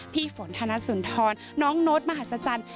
พี่ฝนธนสุนทรน้องโน๊ตมหัศจรรย์